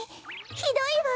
ひどいわ！